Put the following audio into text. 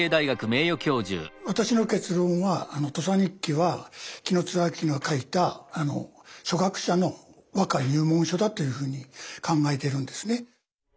私の結論は「土佐日記」は紀貫之が書いた初学者の和歌入門書だというふうに考えているんですね。